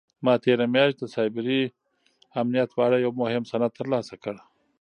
ما تېره میاشت د سایبري امنیت په اړه یو مهم سند ترلاسه کړ.